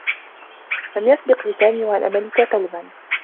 لم يسبق لسامي و أن ملك كلبا.